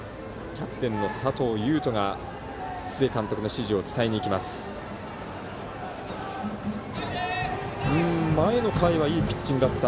キャプテンの佐藤悠斗が須江監督の指示を伝えに行きました。